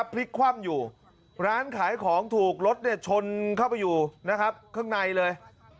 พลิกคว่ำอยู่ร้านขายของถูกรถชนเข้าไปอยู่นะครับข้างในเลย